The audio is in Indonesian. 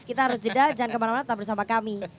kita harus jeda jangan kemana mana tetap bersama kami